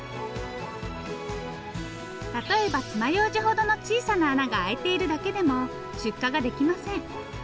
例えば爪ようじほどの小さな穴が開いているだけでも出荷ができません。